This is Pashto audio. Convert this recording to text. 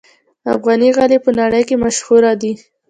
افغاني غالۍ په نړۍ کې مشهوره ده.